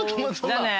じゃあね。